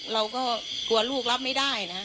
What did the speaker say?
เราก็กลัวลูกรับไม่ได้นะ